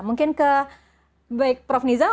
mungkin ke baik prof niza atau prof asyari silahkan